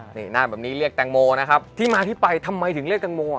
นี่หน้าแบบนี้เรียกแตงโมนะครับที่มาที่ไปทำไมถึงเรียกแตงโมอ่ะ